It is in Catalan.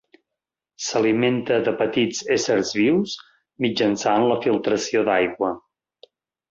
S'alimenta de petits éssers vius mitjançant la filtració d'aigua.